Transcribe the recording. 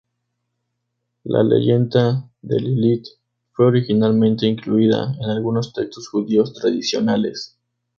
La leyenda de Lilith fue originalmente incluida en algunos textos judíos tradicionales.